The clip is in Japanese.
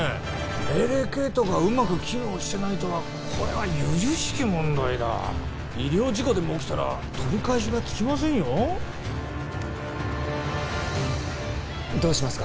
命令系統がうまく機能してないとはこれはゆゆしき問題だ医療事故でも起きたら取り返しがつきませんよどうしますか？